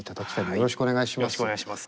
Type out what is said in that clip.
よろしくお願いします。